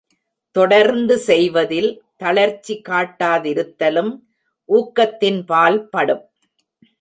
தொடர்ந்து செய்வதில் தளர்ச்சி காட்டாதிருத்தலும் ஊக்கத்தின்பால் படும்.